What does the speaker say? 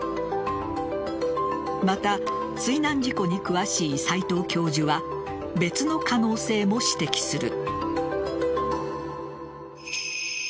また、水難事故に詳しい斎藤教授は別の可能性も指摘する。